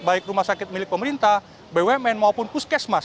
baik rumah sakit milik pemerintah bumn maupun puskesmas